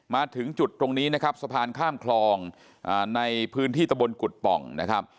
มาถึงจุดตรงนี้นะครับสะพานข้ามคลองในพื้นที่ตะบนกุฎป่องนะครับ